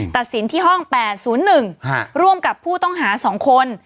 ตัดสินที่ห้อง๘๐๑ร่วมกับผู้ต้องหา๒คน